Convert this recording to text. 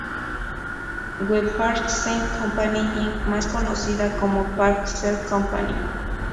W. Park Seed Company, Inc., más conocida como Park Seed Company.